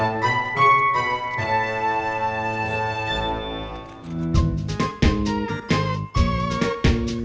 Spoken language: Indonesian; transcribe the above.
aku sendiri yang makan